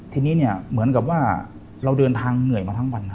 ทีนี้เนี่ยเหมือนกับว่าเราเดินทางเหนื่อยมาทั้งวัน